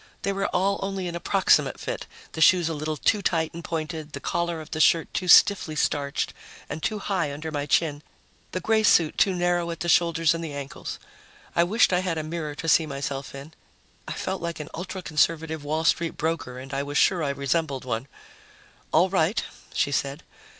They were all only an approximate fit: the shoes a little too tight and pointed, the collar of the shirt too stiffly starched and too high under my chin, the gray suit too narrow at the shoulders and the ankles. I wished I had a mirror to see myself in. I felt like an ultra conservative Wall Street broker and I was sure I resembled one. "All right," she said.